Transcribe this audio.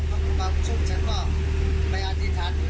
เพราะว่าในนิมิตรเห็นจริงว่าเด็กที่มีชีวิตอยู่